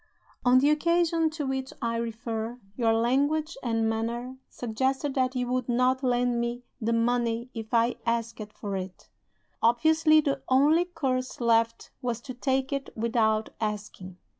"On the occasion to which I refer, your language and manner suggested that you would not lend me the money if I asked for it. Obviously, the only course left was to take it without asking.